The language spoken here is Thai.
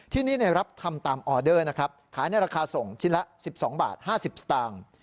ที่นี่รับทำตามออเดอร์นะครับขายในราคาส่งชิ้นละ๑๒บาท๕๐สตางค์